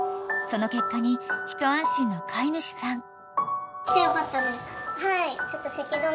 ［その結果に一安心の飼い主さん］